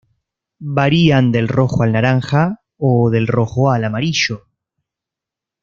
Varían del rojo al naranja, o del rojo al amarillo.